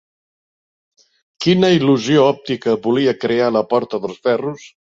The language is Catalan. Quina il·lusió òptica volia crear la Porta dels Ferros?